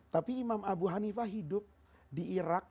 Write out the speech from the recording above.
tapi imam abu hanifah hidup di irak